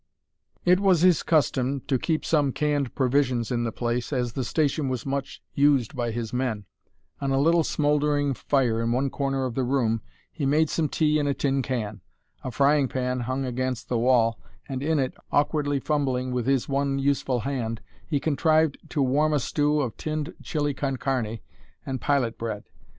It was his custom to keep some canned provisions in the place, as the station was much used by his men. On a little smouldering fire in one corner of the room, he made some tea in a tin can. A frying pan hung against the wall, and in it, awkwardly fumbling with his one useful hand, he contrived to warm a stew of tinned chile con carne and pilot bread.